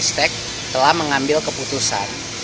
dan pistek telah mengambil keputusan